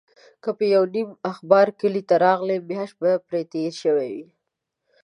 که به یو نیم اخبار کلي ته راغی، میاشت به پرې تېره شوې وه.